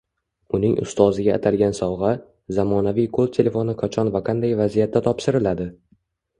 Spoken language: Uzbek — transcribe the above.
Uning ustoziga atalgan sovgʻa – zamonaviy qoʻl telefoni qachon va qanday vaziyatda topshiriladi?